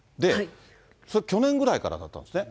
それ、去年ぐらいからだったんですね。